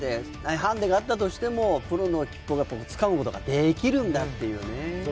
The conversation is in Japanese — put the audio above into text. ハンデがあったとしても、プロの切符をつかむことができるんだっていうね。